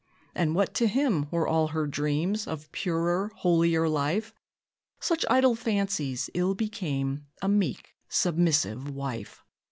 And what to him were all her dreams Of purer, holier life? Such idle fancies ill became A meek, submissive wife.